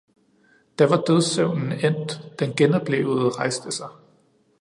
da var dødssøvnen endt, den genoplevede rejste sig.